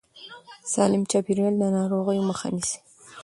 سالم چاپېريال د ناروغیو مخه نیسي.